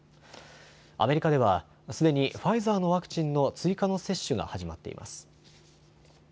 アメリカではすでにファイザーのワクチンの追加の接種が始まっています。